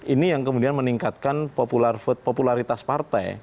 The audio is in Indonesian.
ini yang kemudian meningkatkan popularitas partai